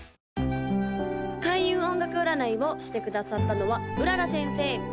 ・開運音楽占いをしてくださったのは麗先生